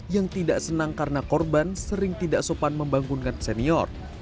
yang tidak senang karena korban sering tidak sopan membangunkan senior